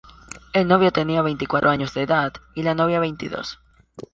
El novio tenía veinticuatro años de edad y la novia veintidós.